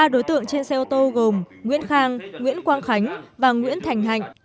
ba đối tượng trên xe ô tô gồm nguyễn khang nguyễn quang khánh và nguyễn thành hạnh